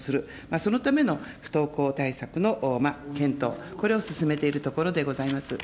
そのための不登校対策の検討、これを進めているところでございます。